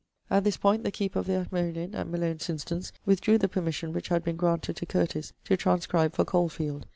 At this point the Keeper of the Ashmolean, at Malone's instance, withdrew the permission which had been granted to Curtis to transcribe for Caulfield.